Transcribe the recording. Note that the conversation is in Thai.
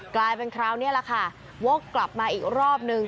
กลายเป็นคราวนี้แหละค่ะวกกลับมาอีกรอบนึง